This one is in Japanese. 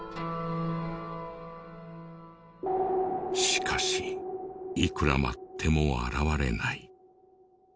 しかしいくら待っても現れない。